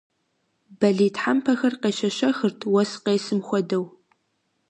Бэлий тхьэмпэхэр къещэщэхырт, уэс къесым хуэдэу.